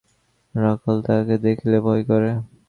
রাখাল তাহাকে দেখিলে ভয় করে।